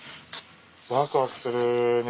ワクワクするね。